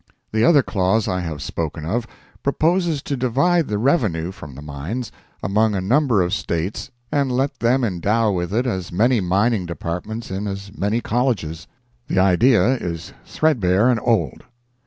The other clause I have spoken of proposes to divide the revenue from the mines among a number of States and let them endow with it as many mining departments in as many colleges. The idea is threadbare and old.